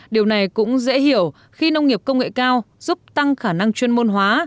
điều này cũng dễ hiểu khi nông nghiệp công nghệ cao giúp tăng khả năng chuyên môn hóa